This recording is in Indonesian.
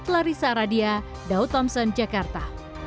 larissa radia daud thompson jakarta